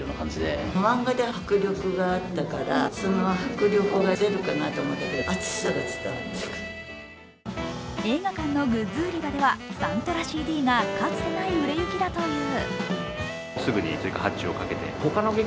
映画で表現された、その音は映画館のグッズ売り場では、サントラＣＤがかつてない売れ行きだという。